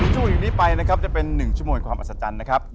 ช่วงอยู่นี้ไปนะครับจะเป็น๑ชั่วโมงความอัศจรรย์นะครับ